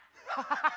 ハハハ！